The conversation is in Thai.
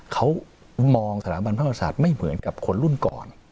เขามองสถาบันพระมหาศาสตร์ไม่เหมือนกับคนรุ่นก่อน